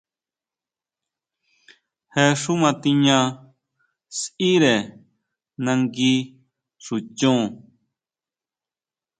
Je xú matiña sʼíre nangui xu chon.